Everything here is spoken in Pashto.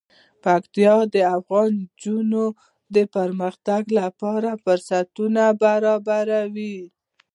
پکتیا د افغان نجونو د پرمختګ لپاره فرصتونه برابروي.